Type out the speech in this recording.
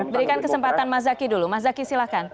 berikan kesempatan mas zaky dulu mas zaky silahkan